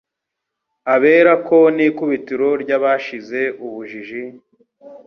Aberako n' ikubitiro ry' abashize ubujiji,